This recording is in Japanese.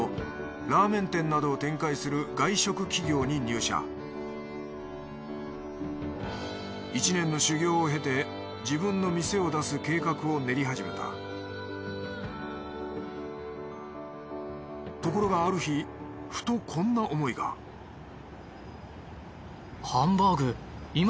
ラーメン店などを展開する外食企業に入社１年の修業を経て自分の店を出す計画を練り始めたところがある日ふとこんな思いがそして山本は考えつく。